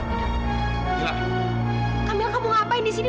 camilla kamu ngapain disini